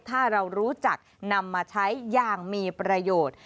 ถ้าเรารู้จักนำมาใช้อย่างมีประโยชน์